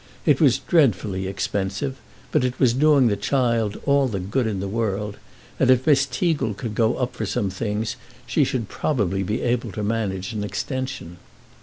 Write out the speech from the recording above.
It was dreadfully expensive, but it was doing the child all the good in the world, and if Miss Teagle could go up for some things she should probably be able to manage an extension.